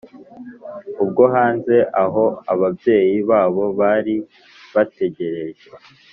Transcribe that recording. ubwo hanze aho ababyeyi babo bari bategereje